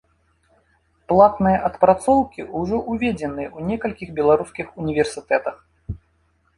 Платныя адпрацоўкі ўжо ўведзеныя ў некалькіх беларускіх універсітэтах.